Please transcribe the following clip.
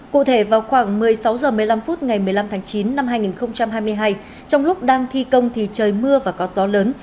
cụ thể vào khoảng một mươi sáu h một mươi năm phút ngày một mươi năm tháng chín năm hai nghìn hai mươi hai trong lúc đang thi công thì trời mưa và có gió lớn